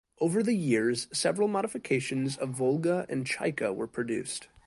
Over the years several modifications of Volga and Chaika were produced.